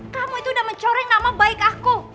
kamu itu udah mencoreng nama baik aku